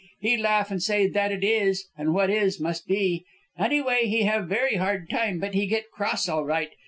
He laugh, and say that it is, and what is, must be. Anyway, he have very hard time, but he get 'cross all right.